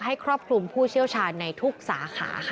ครอบคลุมผู้เชี่ยวชาญในทุกสาขาค่ะ